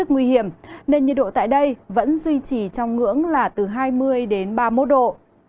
nên nhiệt độ tại đây vẫn duy trì trong ngưỡng là từ hai mươi đến ba mươi một độ